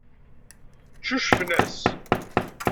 Ccucfen-as.